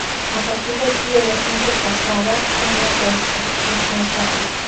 A partir de aquí el ascenso pasada una cuesta, es más suave.